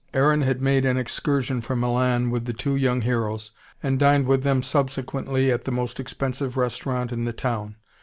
Aaron had made an excursion from Milan with the two young heroes, and dined with them subsequently at the most expensive restaurant in the town.